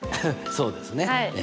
そうですね！